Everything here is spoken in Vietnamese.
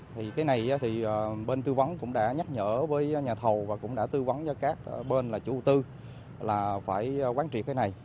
thì cái này thì bên tư vấn cũng đã nhắc nhở với nhà thầu và cũng đã tư vấn cho các bên là chủ đầu tư là phải quán triệt cái này